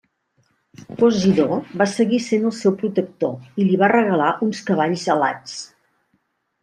Posidó va seguir sent el seu protector i li va regalar uns cavalls alats.